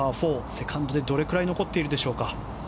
セカンドで、どれくらい残っているでしょうか。